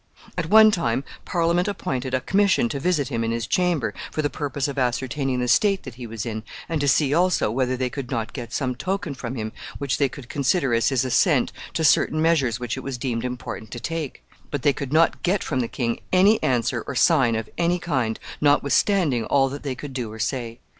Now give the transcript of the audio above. At one time Parliament appointed a commission to visit him in his chamber, for the purpose of ascertaining the state that he was in, and to see also whether they could not get some token from him which they could consider as his assent to certain measures which it was deemed important to take; but they could not get from the king any answer or sign of any kind, notwithstanding all that they could do or say.